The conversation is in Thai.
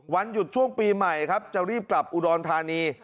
วันหยุดช่วงปีใหม่ครับจะรีบกลับอุดรธานี